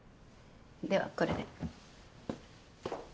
ではこれで。